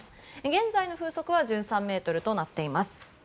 現在の風速は１３メートルとなっています。